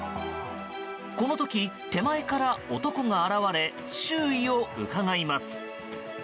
この時、手前から男が現れ周囲をうかがいます。